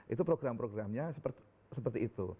itu program programnya seperti itu